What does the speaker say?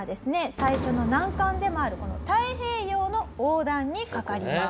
最初の難関でもあるこの太平洋の横断にかかります。